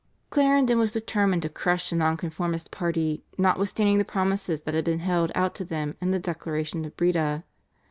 Clarendon was determined to crush the Nonconformist party notwithstanding the promises that had been held out to them in the Declaration of Breda.